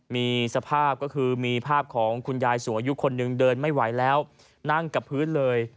มีสภาพก็คือมีภาพของคุณยายสูงอายุคนหนึ่งเดินไม่ไหวแล้วนั่งกับพื้นเลย